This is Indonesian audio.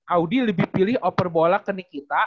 audi lebih pilih oper bola ke nikita